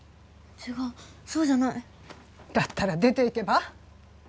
違うそうじゃないだったら出ていけば？